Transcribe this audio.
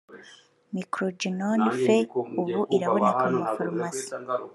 Microgynon® Fe ubu iraboneka mu mafarumasi